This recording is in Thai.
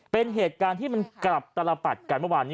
เป็นเหตุการณ์ที่มันกลับตลปัดกันเมื่อวานนี้